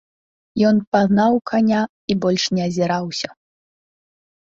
Ён пагнаў каня і больш не азіраўся.